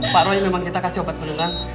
pak roy memang kita kasih obat bendungan